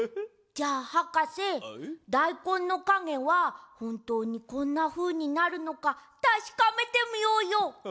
だいこんのかげはほんとうにこんなふうになるのかたしかめてみようよ。